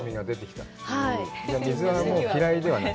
水はもう嫌いではない？